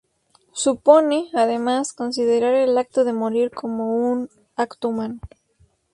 Supone, además, considerar el acto de morir como un "acto humano".